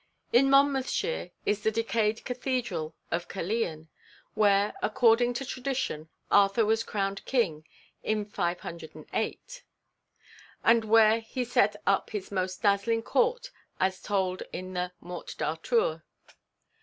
In Monmouthshire is the decayed cathedral city of Caerleon, where, according to tradition, Arthur was crowned king in 508, and where he set up his most dazzling court, as told in the 'Morte d'Arthur.'